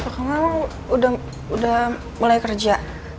kamu udah mulai kerja